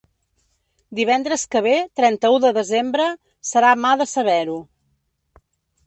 Divendres que ve, trenta-u de desembre, serà mà de saber-ho.